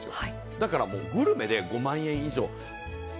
だからグルメで５万円以上。